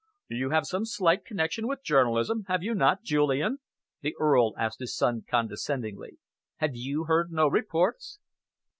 "You have some slight connection with journalism, have you not, Julian?" the Earl asked his son condescendingly. "Have you heard no reports?"